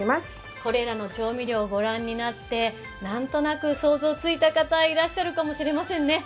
これらの調味料をご覧になって何となく想像ついた方、いらっしゃるかもしれませんね。